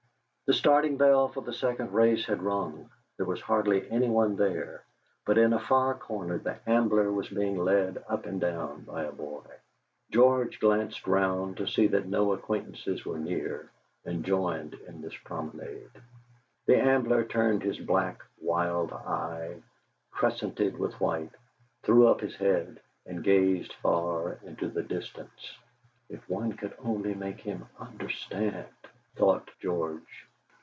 The starting bell for the second race had rung; there was hardly anyone there, but in a far corner the Ambler was being led up and down by a boy. George glanced round to see that no acquaintances were near, and joined in this promenade. The Ambler turned his black, wild eye, crescented with white, threw up his head, and gazed far into the distance. '.f one could only make him understand!' thought George.